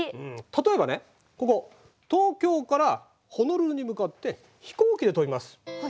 例えばねここ東京からホノルルに向かって飛行機で飛びます。